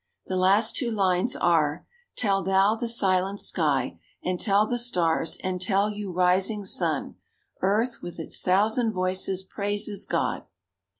The last two lines are, "Tell thou the silent sky and tell the stars and tell yon rising sun, Earth with its thousand voices praises God."